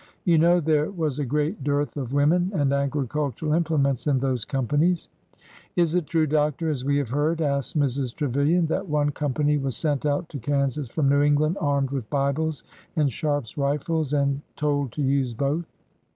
You know there was a great dearth of women and agricultural implements in those companies." Is it true. Doctor, as we have heard," asked Mrs. Tre vilian, '' that one company was sent out to Kansas from New England armed with Bibles and Sharpe's rifles, and told to use both